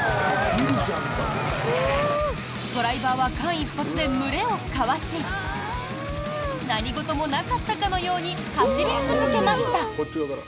ドライバーは間一髪で群れをかわし何事もなかったかのように走り続けました。